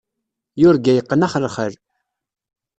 Yurga yeqqen axelxal.